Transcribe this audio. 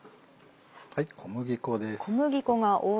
小麦粉です。